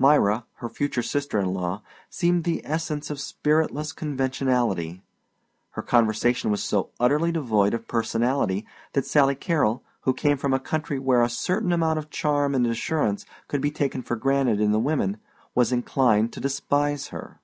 Myra, her future sister in law, seemed the essence of spiritless conversationality. Her conversation was so utterly devoid of personality that Sally Carrol, who came from a country where a certain amount of charm and assurance could be taken for granted in the women, was inclined to despise her.